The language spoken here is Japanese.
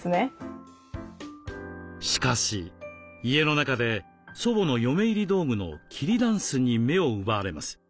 しかし家の中で祖母の嫁入り道具の桐ダンスに目を奪われます。